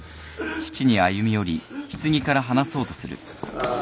ああ。